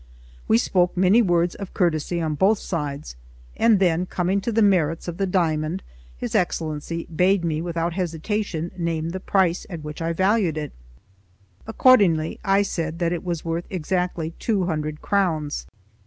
We spoke many words of courtesy on both sides; and then coming to the merits of the diamond, his Excellency bade me without hesitation name the price at which I valued it. Accordingly I said that it was worth exactly two hundred crowns.